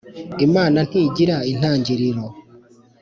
Imana ntigira intangiriro